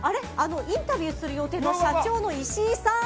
インタビューする予定の社長の石井さん！